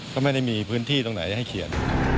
ก็ไม่ได้มีพื้นที่ตรงไหนจะให้เขียน